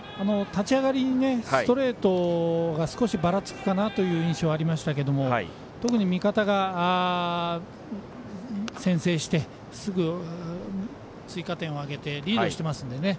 立ち上がりにストレートが少しばらつくかなという印象ありましたけど特に味方が先制してすぐ追加点を挙げてリードしていますのでね